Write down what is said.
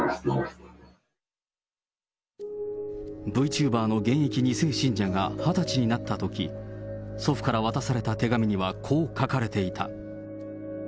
Ｖチューバーの現役２世信者が２０歳になったとき、祖父から渡された手紙には、こう書かれていた。